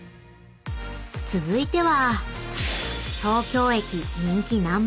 ［続いては］